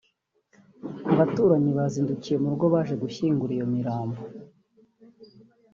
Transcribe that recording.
abaturanyi bazindukiye mu rugo baje gushyingura iyo mirambo